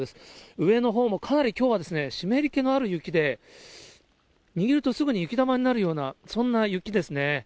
上のほうもかなり、きょうは湿りけがある雪で、握るとすぐに雪球になるような、そんな雪ですね。